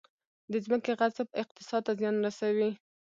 د ځمکې غصب اقتصاد ته زیان رسوي